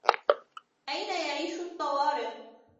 أين يعيش الطوارق؟